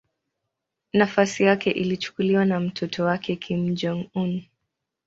Nafasi yake ilichukuliwa na mtoto wake Kim Jong-un.